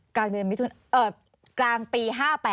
กลางเดือนวิทุนเอ่อกลางปี๕๘